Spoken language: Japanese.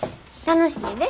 楽しいで。